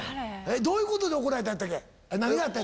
どういうことで怒られたんやったっけ？